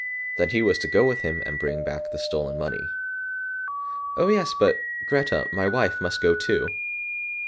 Then he was to go with him and bring back the stolen money. "Oh, yes, but Grethe, my wife, must go too."